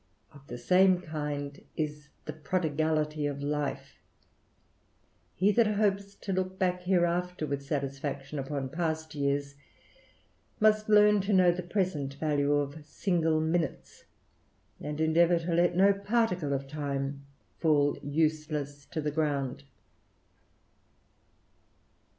Of the same kind is the prodigality of life ; he that hopes to look back hereafter with satisfaction upon past years, must learn to know the present value of single minutes, and endeavour to let no particle of time fall useless to the ground.